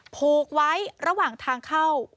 ผูกไว้ระหว่างทางเข้า